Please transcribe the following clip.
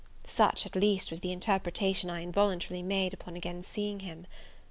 such at least was the interpretation I involuntarily made upon again seeing him.